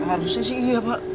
harusnya sih iya pak